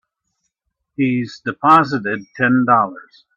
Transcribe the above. He's deposited Ten Dollars.